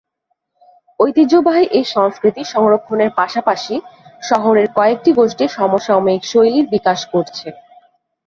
ঐতিহ্যবাহী এই সংস্কৃতি সংরক্ষণের পাশাপাশি, শহরের কয়েকটি গোষ্ঠী সমসাময়িক শৈলীর বিকাশ করছে।